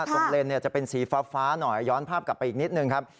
เลนจะเป็นสีฟ้าหน่อยย้อนภาพกลับไปอีกนิดนึงครับ